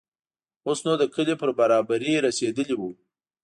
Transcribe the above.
اوس نو د کلي پر برابري رسېدلي وو.